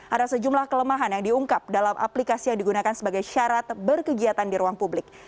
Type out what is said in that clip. ada sejumlah kelemahan yang diungkap dalam aplikasi yang digunakan sebagai syarat berkegiatan di ruang publik